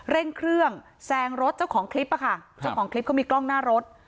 เร่งเครื่องแซงรถเจ้าของคลิปอ่ะค่ะเจ้าของคลิปเขามีกล้องหน้ารถ